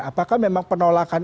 apakah memang penolakan ini